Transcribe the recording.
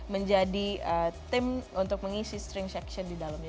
menjadi tim untuk mengisi stream section di dalamnya